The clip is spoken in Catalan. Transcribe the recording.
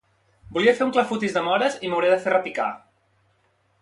Volia fer un clafoutis de mores i m'hauré de fer repicar